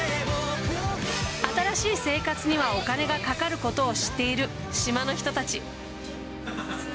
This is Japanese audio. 新しい生活にはお金がかかることを知っている島の人たち。